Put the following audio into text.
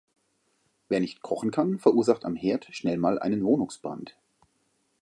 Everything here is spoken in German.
Wer nicht kochen kann, verursacht am Herd schnell mal einen Wohnungsbrand.